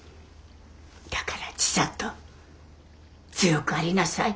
だから千里強くありなさい。